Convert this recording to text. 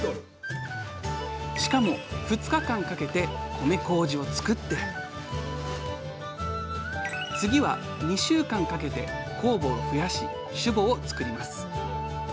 しかも２日間かけて米こうじをつくって次は２週間かけて酵母を増やし「酒母」をつくります。